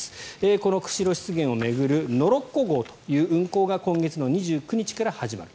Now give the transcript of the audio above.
この釧路湿原を巡るノロッコ号という運行が今月２９日から始まる。